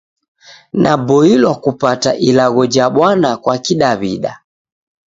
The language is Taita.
Naboilwa kupata Ilagho ja Bwana kwa Kidaw'ida.